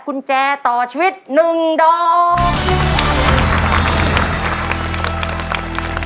กุญแจต่อชีวิต๑ดอก